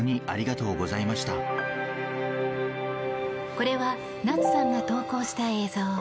これは夏さんが投稿した映像。